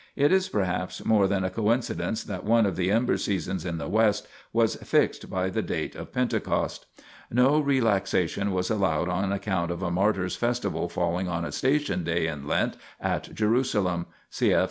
It is perhaps more than a coincidence that one of the Ember seasons in the West was fixed by the date of Pentecost. No relaxation was allowed on account of a martyr's festival falling on a " Station " day in Lent at Jeru salem : cf.